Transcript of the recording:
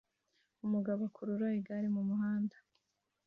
Umugabo akurura igare mumuhanda